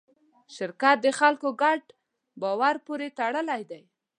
شرکت د خلکو ګډ باور پورې تړلی دی.